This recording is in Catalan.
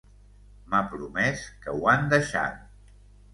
M’ha promés que ho han deixat.